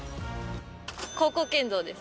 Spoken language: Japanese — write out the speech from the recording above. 高校剣道です。